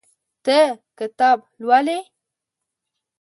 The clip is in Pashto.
ته کتاب لولې.